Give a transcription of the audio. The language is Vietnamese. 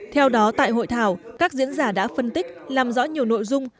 theo đó tại hội thảo các diễn giả đã phân tích làm rõ nhiều nội dung